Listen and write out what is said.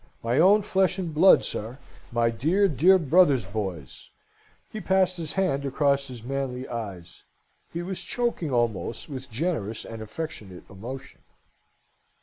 My own flesh and blood, sir; my dear, dear brother's boys!" He passed his hand across his manly eyes: he was choking almost with generous and affectionate emotion.